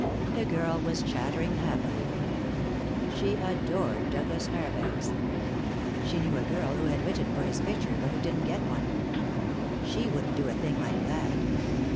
The girl was chattering happily. She adored Douglas Fairbanks. She knew a girl who had written for his picture but who didn't get one. She wouldn't do a thing like that.